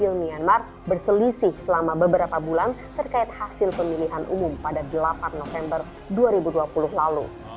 wakil myanmar berselisih selama beberapa bulan terkait hasil pemilihan umum pada delapan november dua ribu dua puluh lalu